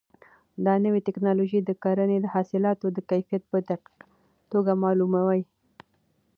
دا نوې ټیکنالوژي د کرنې د حاصلاتو کیفیت په دقیقه توګه معلوموي.